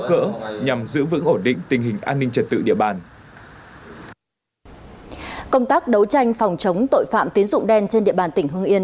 công tác đấu tranh phòng chống tội phạm tín dụng đen trên địa bàn tỉnh hương yên